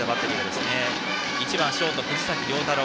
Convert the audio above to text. １番、ショートの藤崎凌太郎。